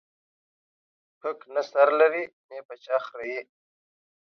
پک نه سر لري ، نې په چا خريي.